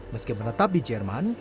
meski menetap di jerman